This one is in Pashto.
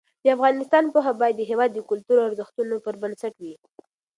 د افغانستان پوهه باید د هېواد د کلتور او ارزښتونو پر بنسټ وي.